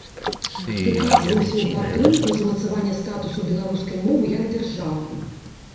Выказваўся ў падтрымку замацавання статусу беларускай мовы, як дзяржаўнай.